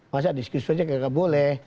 masa diskusi saja nggak boleh